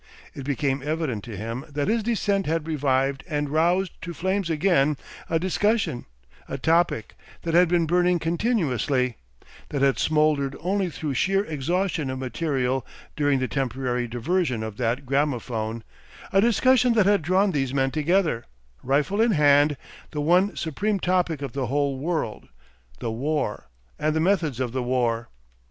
It became evident to him that his descent had revived and roused to flames again a discussion, a topic, that had been burning continuously, that had smouldered only through sheer exhaustion of material during the temporary diversion of the gramophone, a discussion that had drawn these men together, rifle in hand, the one supreme topic of the whole world, the War and the methods of the War.